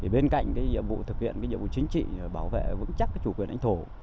bên cạnh cái nhiệm vụ thực hiện cái nhiệm vụ chính trị bảo vệ vững chắc cái chủ quyền đánh thổ